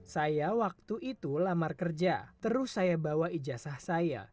saya waktu itu lamar kerja terus saya bawa ijazah saya